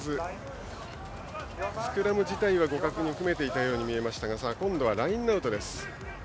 スクラム自体は互角に組めていたように思いましたが今度はラインアウトです。